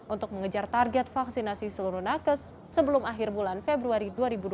untuk mengejar target vaksinasi seluruh nakes sebelum akhir bulan februari dua ribu dua puluh